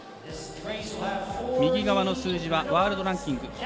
右側の数字はワールドランキング。